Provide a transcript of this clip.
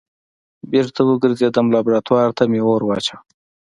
بېرته وګرځېدم لابراتوار ته مې اور واچوه.